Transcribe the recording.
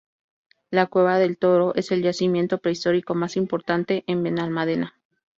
La Cueva del Toro es el yacimiento prehistórico más importante en Benalmádena.